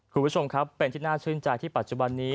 คุณผู้ชมครับเป็นที่น่าชื่นใจที่ปัจจุบันนี้